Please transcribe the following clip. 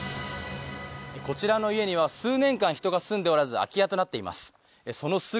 こちらの家には数年間、人が住んでおらず空き家となっております。